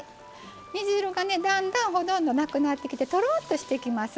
煮汁がねだんだんほとんどなくなってきてとろっとしてきます。